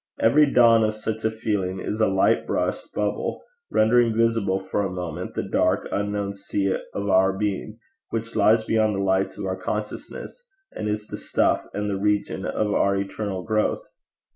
Every dawn of such a feeling is a light brushed bubble rendering visible for a moment the dark unknown sea of our being which lies beyond the lights of our consciousness, and is the stuff and region of our eternal growth.